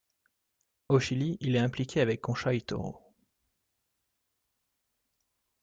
Au Chili, il est impliqué avec Concha y Toro.